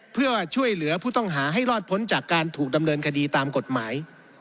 เพื่อช่วยเหลือผู้ต้องหาให้รอดพ้นจากการถูกดำเนินคดีตามกฎหมาย